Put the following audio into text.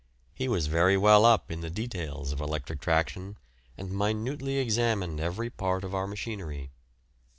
He was very well up in the details of electric traction, and minutely examined every part of our machinery.